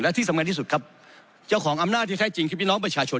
ที่สำคัญที่สุดครับเจ้าของอำนาจที่แท้จริงคือพี่น้องประชาชน